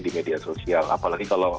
di media sosial apalagi kalau